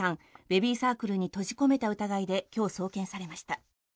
ベビーサークルに閉じ込めた疑いで今日、送検されました。